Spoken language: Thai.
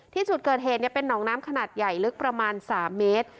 ที่จุดเกิดเหตุเป็นหนองน้ำขนาดใหญ่ลึกประมาณ๓เมตร